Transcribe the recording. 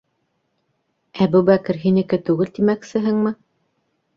Әбүбәкер һинеке түгел, тимәксеһеңме?